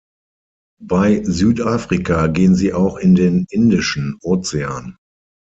Bei Südafrika gehen sie auch in den Indischen Ozean.